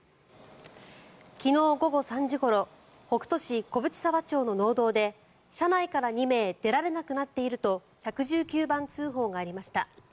昨日午後３時ごろ北杜市小淵沢町の農道で車内から２名出られなくなっていると１１９番通報がありました。